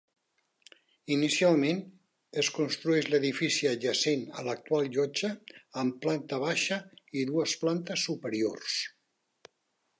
Inicialment, es construeix l'edifici adjacent a l'actual llotja amb planta baixa i dues plantes superiors.